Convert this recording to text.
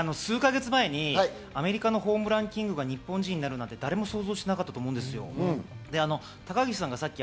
数か月前にアメリカのホームランランキングが日本人になるなんて誰も想像してなかったと思います。